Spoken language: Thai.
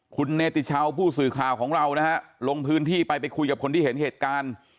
คุณเนติชาวผู้สื่อข่าวของเรานะฮะลงพื้นที่ไปไปคุยกับคนที่เห็นเหตุการณ์